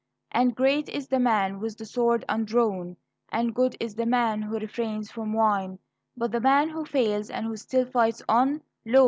And great is the man with the sword undrawn, And good is the man who refrains from wine, But the man who fails and who still fights on, Lo!